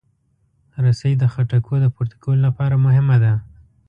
رسۍ د خټکو د پورته کولو لپاره مهمه ده.